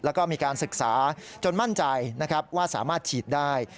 แล้วก็มีการศึกษาจนมั่นใจนะครับว่าสามารถฉีดได้